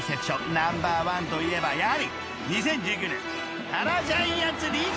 ［ナンバーワンといえばやはり２０１９年原ジャイアンツリーグ優勝ですよね！］